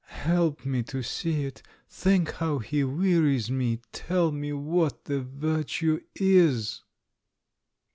Help me to see it ! Think how he wearies me — tell me what the virtue is!"